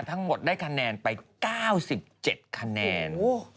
ทั้งหมดได้คะแนนไป๙๗คะแนน